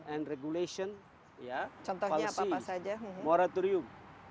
and regulation ya contohnya apa saja moratorium